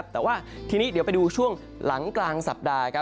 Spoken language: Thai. แต่ว่าทีนี้เดี๋ยวไปดูช่วงหลังกลางสัปดาห์